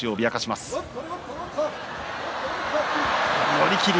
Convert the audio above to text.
寄り切り。